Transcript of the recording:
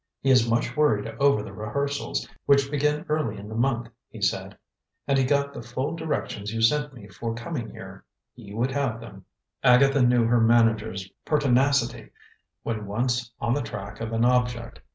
He is much worried over the rehearsals, which begin early in the month, he said. And he got the full directions you sent me for coming here; he would have them." Agatha knew her manager's pertinacity when once on the track of an object.